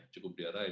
cukup dia raih